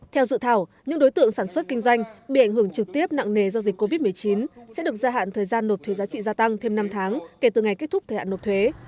theo dự thảo những đối tượng sản xuất kinh doanh bị ảnh hưởng trực tiếp nặng nề do dịch covid một mươi chín sẽ được gia hạn thời gian nộp thuế giá trị gia tăng thêm năm tháng kể từ ngày kết thúc thời hạn nộp thuế